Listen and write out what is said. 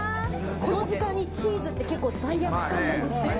この時間にチーズって結構、罪悪感があると思うんですけれど。